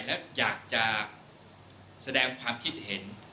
และอยากจะแสดงความคิดเห็น